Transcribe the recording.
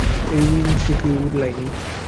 এই ইনসিকিউর লাইনেই।